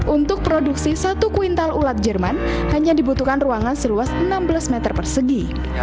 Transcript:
untuk produksi satu kuintal ulat jerman hanya dibutuhkan ruangan seluas enam belas meter persegi